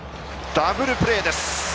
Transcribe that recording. ダブルプレーです。